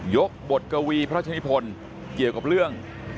ยกบทกวีพระชนิพลเกี่ยวกับเรื่อง